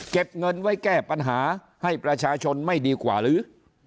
เก็บเงินไว้แก้ปัญหาให้ประชาชนไม่ดีกว่าหรือ